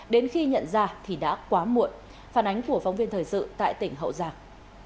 đến khi nhận ra thì đã quá muộn phản ánh của phóng viên thời sự tại tỉnh hậu giang